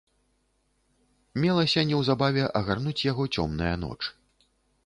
Мелася неўзабаве агарнуць яго цёмная ноч.